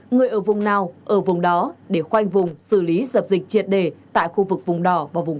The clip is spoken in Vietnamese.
người ở vùng nào ở vùng đó để khoanh vùng xử lý dập dịch triệt đề tại khu vực vùng đỏ và vùng